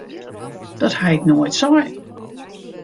Dat ha ik noait sein!